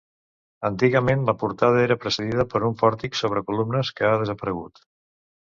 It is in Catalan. Antigament, la portada era precedida per un pòrtic sobre columnes que ha desaparegut.